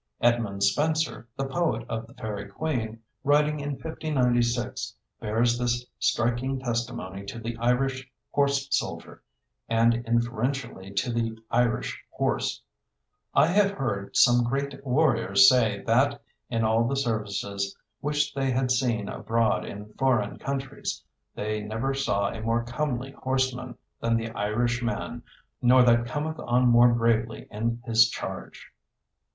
Edmund Spenser, the poet of The Faerie Queene, writing in 1596, bears this striking testimony to the Irish horse soldier and inferentially to the Irish horse: "I have hearde some greate warriours say, that, in all the services which they had seene abroade in forrayne countreys, they never sawe a more comely horseman than the Irish man, nor that cometh on more bravely in his charge."